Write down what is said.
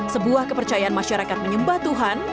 sebuah kepercayaan masyarakat menyembah tuhan